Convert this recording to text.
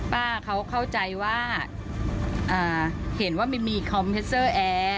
ป้าเขาเข้าใจว่าเห็นว่ามีคอมเทสเซอร์แอร์